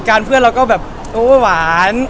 แล้วเราก็แบบโอ้ยหวาน